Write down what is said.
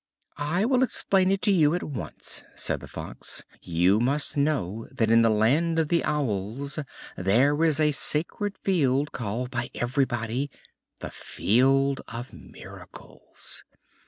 "I will explain it to you at once," said the Fox. "You must know that in the land of the Owls there is a sacred field called by everybody the Field of Miracles.